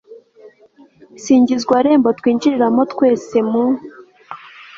singizwa rembo twinjiriramo twese mu